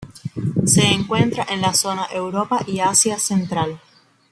Se encuentra en la zona Europa y Asia central.